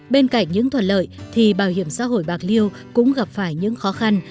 bên cạnh những thuận lợi thì bảo hiểm xã hội bạc liêu cũng gặp phải những khó khăn